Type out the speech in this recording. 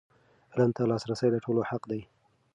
علم ته لاسرسی د ټولو حق دی.